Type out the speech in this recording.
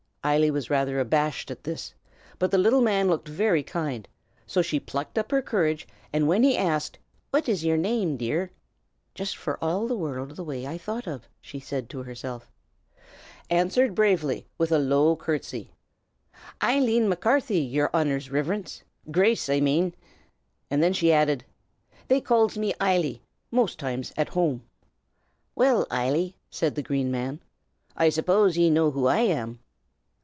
Eily was rather abashed at this, but the little man looked very kind; so she plucked up her courage, and when he asked, "What is yer name, my dear?" ("jist for all the wurrld the way I thought of," she said to herself) answered bravely, with a low courtesy, "Eileen Macarthy, yer Honor's Riverence Grace, I mane!" and then she added, "They calls me Eily, most times, at home." "Well, Eily," said the Green Man, "I suppose ye know who I am?"